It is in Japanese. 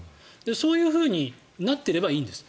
そういうふうになっていればいいんです。